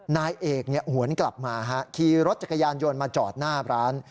นายเอกหวนกลับมาขี่รถจักรยานยนต์มาจอดหน้าร้าน